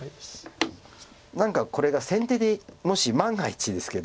何かこれが先手でもし万が一ですけど。